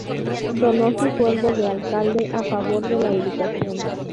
Donó su sueldo de alcalde a favor de la educación.